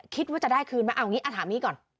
คิดว่าจะได้คืนไหมถามนี้ก่อน